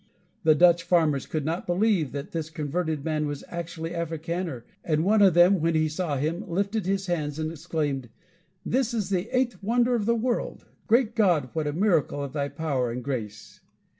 The Dutch farmers could not believe that this converted man was actually Africaner; and one of them, when he saw him, lifted his hands and exclaimed: "This is the eighth wonder of the world! Great God, what a miracle of thy power and grace!"